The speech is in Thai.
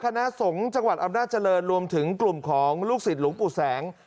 คณะสงฆ์จังหวัดอำนาจริงรวมถึงกลุ่มของลูกศิษย์หลวงปู่แสง